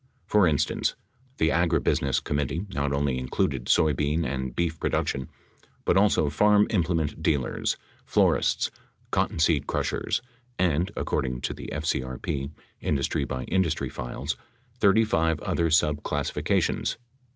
For instance, the agri business committee not only included soybean and beef production but, also farm implement dealers, florists, cottonseed crushers, and — according to the FCRP industry by industry files — 35 other subclas sifications.